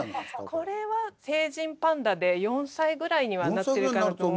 これは成人パンダで４歳ぐらいにはなってるかなと思います。